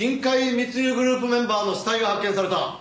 密輸グループメンバーの死体が発見された。